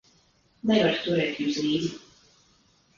Nevaru turēt jums līdzi.